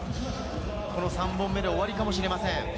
３本目で終わりかもしれません。